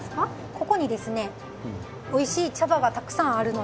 ここにですね美味しい茶葉がたくさんあるのでですね。